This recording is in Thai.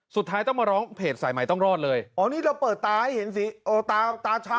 สุดท้ายต้องมาร้องเพจสายใหม่ต้องรอดเลยอ๋อนี่เราเปิดตาให้เห็นสีโอ้ตาตาช้า